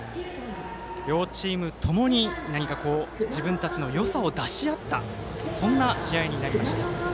両チームともに何か自分たちのよさを出し合ったそんな試合になりました。